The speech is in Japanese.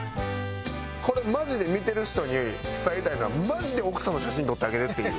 これマジで見てる人に伝えたいのはマジで奥さんの写真撮ってあげてっていう。